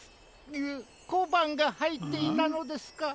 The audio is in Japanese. ううっこばんがはいっていたのですか。